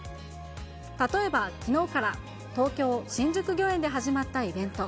例えば、きのうから東京・新宿御苑で始まったイベント。